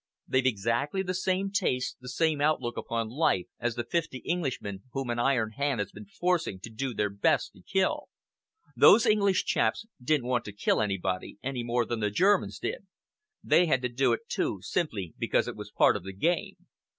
They've exactly the same tastes, the same outlook upon life as the fifty Englishmen whom an iron hand has been forcing to do their best to kill. Those English chaps didn't want to kill anybody, any more than the Germans did. They had to do it, too, simply because it was part of the game.